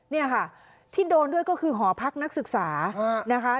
นี่ค่ะที่โดนด้วยก็คือหอพักนักศึกษานะคะ